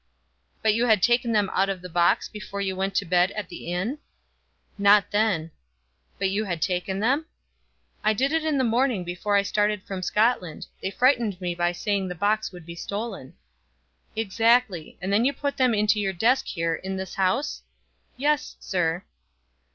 "But you had taken them out of the box before you went to bed at the inn?" "Not then." "But you had taken them?" "I did it in the morning before I started from Scotland. They frightened me by saying the box would be stolen." "Exactly; and then you put them into your desk here, in this house?" "Yes, sir."